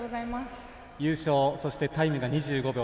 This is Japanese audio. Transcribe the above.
優勝、そしてタイムが２５秒４９。